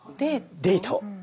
デート？